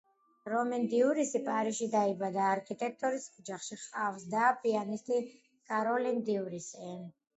რომენ დიურისი პარიზში დაიბადა, არქიტექტორის ოჯახში, ჰყავს და, პიანისტი კაროლინ დიურისი.